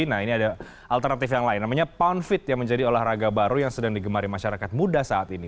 nah ini ada alternatif yang lain namanya pound feet yang menjadi olahraga baru yang sedang digemari masyarakat muda saat ini